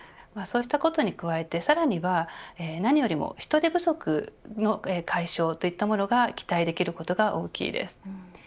そうしたことに加えてさらには何よりも人手不足の解消といったものが期待できることが大きいです。